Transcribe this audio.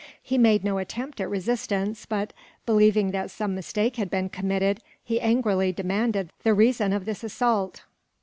He made no attempt at resistance but, believing that some mistake had been committed, he angrily demanded the reason of this assault.